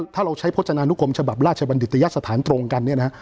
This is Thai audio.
ถ้าเราใช้โภจนานุคมฉบับราชบัณฑิตยสถานตรงกันเนี่ยนะฮะ